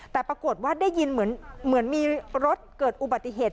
แต่ปรากฏว่าได้ยินเหมือนมีรถเกิดอุบัติเหตุ